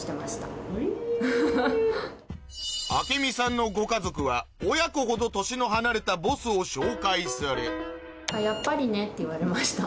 明美さんのご家族は親子ほど年の離れたボスを紹介されって言われました。